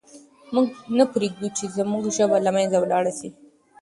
موږ نه پرېږدو چې زموږ ژبه له منځه ولاړه سي.